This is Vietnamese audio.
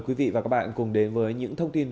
quý vị và các bạn cùng đến với những thông tin